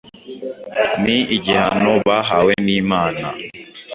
ni igihano bahawe n’Imana.